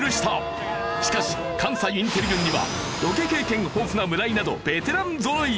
しかし関西インテリ軍にはロケ経験豊富な村井などベテランぞろい。